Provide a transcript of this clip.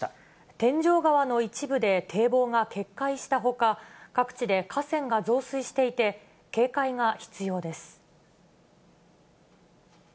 天井川の一部で堤防が決壊したほか、各地で河川が増水していて、警戒が必要です。